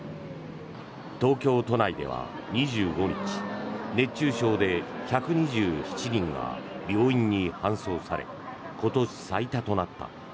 東京都内では２５日、熱中症で１２７人が病院に搬送され今年最多となった。